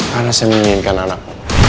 karena saya menginginkan anak